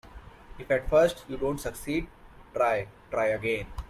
If at first you don't succeed, try, try again.